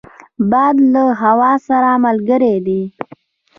باد له هوا سره ملګری دی